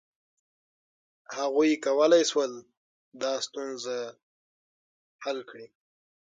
هغوی کولای شول دا ستونزه حل کړي.